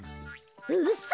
うそ！